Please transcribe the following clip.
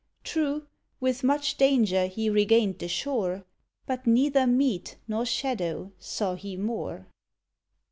True, with much danger, he regained the shore, But neither meat nor shadow saw he more.